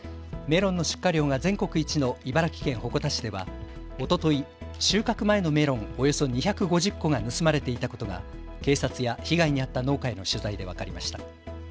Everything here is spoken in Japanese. メロンの出荷量が全国一の茨城県鉾田市ではおととい収穫前のメロン、およそ２５０個が盗まれていたことが警察や被害に遭った農家への取材で分かりました。